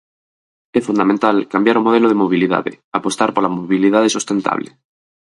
É fundamental cambiar o modelo de mobilidade, apostar pola mobilidade sustentable.